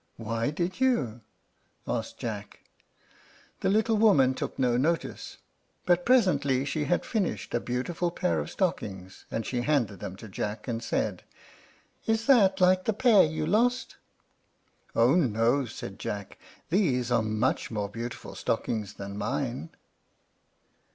"Why did you?" asked Jack. The little woman took no notice; but presently she had finished a beautiful pair of stockings, and she handed them to Jack, and said, "Is that like the pair you lost?" "Oh no," said Jack; "these are much more beautiful stockings than mine."